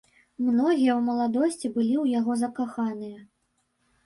Многія ў маладосці былі ў яго закаханыя.